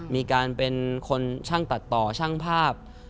มีการเป็นคนช่างตัดต่อช่างภาพ